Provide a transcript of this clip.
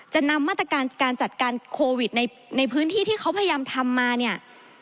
นำมาตรการการจัดการโควิดในพื้นที่ที่เขาพยายามทำมาเนี่ย